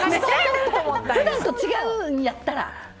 普段と違うんとやったら。